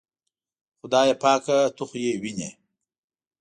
خدایه پاکه ته خو یې وینې.